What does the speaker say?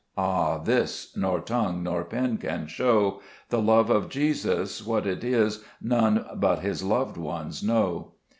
Ah, this Xor tongue nor pen can show : The love of Jesus, what it is None but His loved ones know.